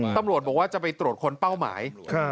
ตำรวจบอกว่าจะไปตรวจค้นเป้าหมาย